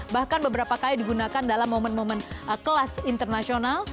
bahkan beberapa kali digunakan dalam momen momen kelas internasional